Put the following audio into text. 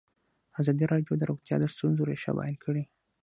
ازادي راډیو د روغتیا د ستونزو رېښه بیان کړې.